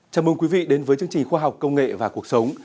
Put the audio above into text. chào mừng quý vị đến với chương trình khoa học công nghệ và cuộc sống